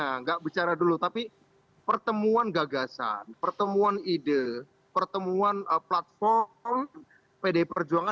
tidak bicara dulu tapi pertemuan gagasan pertemuan ide pertemuan platform pdi perjuangan